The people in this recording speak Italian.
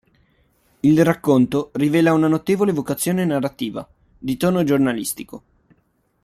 Il racconto rivela una notevole vocazione narrativa, di tono giornalistico.